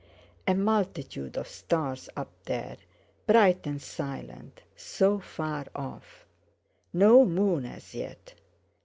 A multitude of stars up there—bright and silent, so far off! No moon as yet!